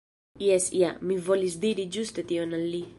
Jes ja, mi volis diri ĝuste tion al li.